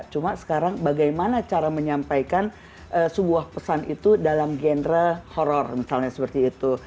cuma sekarang bagaimana cara menyampaikan sebuah pesan itu dalam genre horror misalnya seperti itu